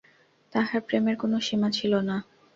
তাঁহার প্রেমের কোন সীমা ছিল না।